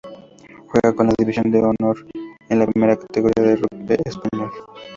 Juega en la División de Honor, que es la primera categoría del rugby español.